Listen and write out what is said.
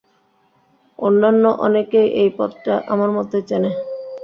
অন্যান্য অনেকেই এই পথটা আমার মতই চেনে।